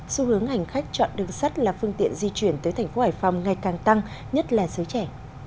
xu hướng hành khách chọn đường sắt là phương tiện di chuyển tới thành phố hải phòng ngày càng tăng nhất là giới trẻ